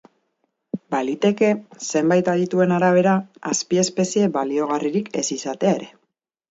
Baliteke, zenbait adituen arabera, azpiespezie baliogarririk ez izatea ere.